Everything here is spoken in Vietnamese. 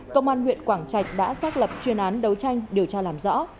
công an huyện quảng trạch đã xác lập chuyên án đấu tranh điều tra làm rõ